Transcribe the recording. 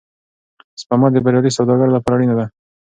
سپما د بریالي سوداګر لپاره اړینه ده.